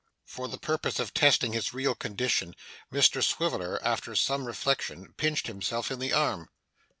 For the purpose of testing his real condition, Mr Swiveller, after some reflection, pinched himself in the arm.